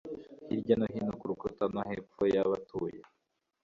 Hirya no hino kurukuta no hepfo yabatuye